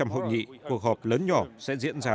vì vậy cuộc họp lớn nhỏ sẽ diễn ra